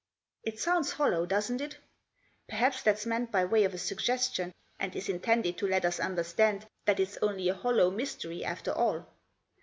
" It sounds hollow, doesn't it ? Perhaps that's meant by way of a suggestion, and is intended to let us understand that it's only a hollow mystery after all.